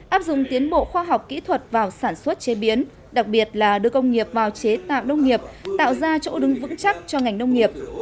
áp dụng tiến bộ khoa học kỹ thuật vào sản xuất chế biến đặc biệt là đưa công nghiệp vào chế tạo nông nghiệp tạo ra chỗ đứng vững chắc cho ngành nông nghiệp